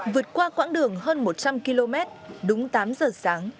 vượt qua quãng đường hơn một trăm linh km đúng tám giờ sáng